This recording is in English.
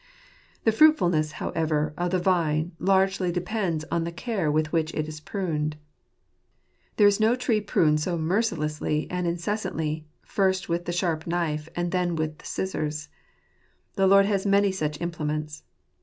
The fruitfulness , however , of the vine largely depends on the care with which it is pruned. There is no tree pruned so mercilessly and incessantly, first with the sharp knife, and then with scissors. The Lord has many such implements.